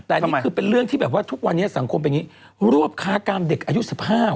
แต่นี่คือเป็นเรื่องที่แบบว่าทุกวันนี้สังคมเป็นอย่างนี้รวบค้ากรรมเด็กอายุ๑๕